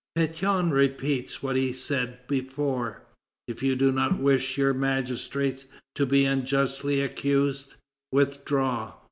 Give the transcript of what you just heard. Pétion repeats what he said before: "If you do not wish your magistrates to be unjustly accused, withdraw."